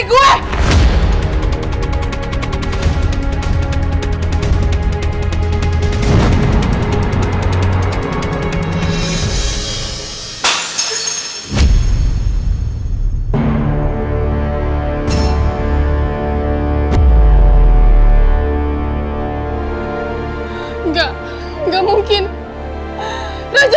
kau saya mau beri lo ya